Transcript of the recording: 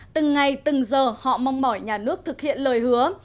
từng ngày từng giờ họ mong mỏi nhà nước thực hiện lời hứa